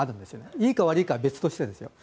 いいか悪いかは別としてですよ。